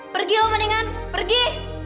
pergi lo mendingan pergi